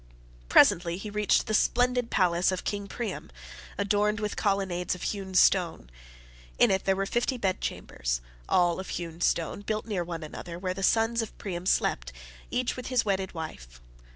Presently he reached the splendid palace of King Priam, adorned with colonnades of hewn stone. In it there were fifty bedchambers—all of hewn stone—built near one another, where the sons of Priam slept, each with his wedded wife.